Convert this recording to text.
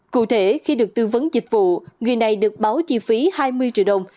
cụ thể khi được tư vấn dịch vụ người này được báo chi phí hai mươi triệu đồng